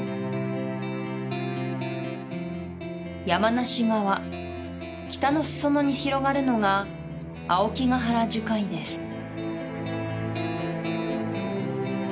山梨側北の裾野に広がるのが青木ヶ原樹海です